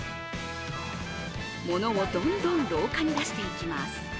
ものをどんどん廊下に出していきます。